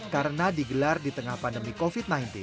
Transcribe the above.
karena digelar di tengah pandemi covid sembilan belas